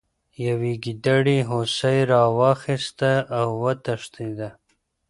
یوې ګیدړې هوسۍ راواخیسته او وتښتیده.